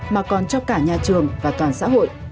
mà còn cho cả nhà trường và toàn xã hội